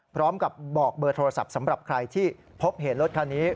พร้อมกับบอกเบอร์โทรศัพท์สำหรับใครที่พบเห็นรถคันนี้